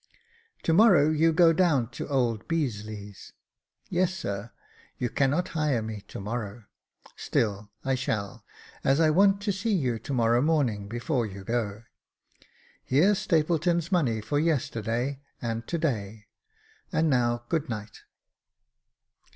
To morrow you go down to old Beazeley's ?"*' Yes, sir ; you cannot hire me to morrow." " Still I shall, as I want to see you to morrow morning before you go. Here's Stapleton's money for yesterday and to day, and now good night."